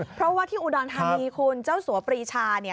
เพราะว่าที่อุดรธานีคุณเจ้าสัวปรีชา